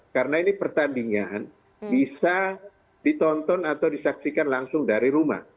karena ini pertandingan bisa ditonton atau disaksikan langsung dari rumah